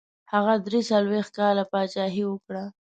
هغه دري څلوېښت کاله پاچهي وکړه.